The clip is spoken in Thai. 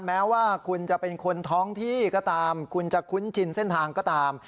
แม้ว่าคุณจะเป็นคนท้องที่ก็ตามคุณจะคุ้นชินเส้นทางก็ตาม